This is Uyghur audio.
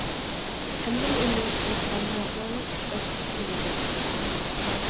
ئەمدىلا ئۆمىلەشكە باشلىغان بوۋاقلارنىڭ ئۈچ باسقۇچى بولىدۇ.